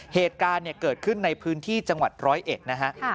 เหตุการณ์เกิดขึ้นในพื้นที่จังหวัดร้อยเอ็ดนะฮะ